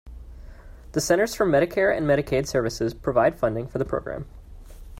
The Centers for Medicare and Medicaid Services provide funding for the program.